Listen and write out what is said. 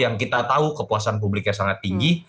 yang kita tahu kepuasan publiknya sangat tinggi